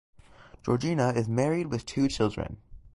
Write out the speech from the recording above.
Georgina is married with two children.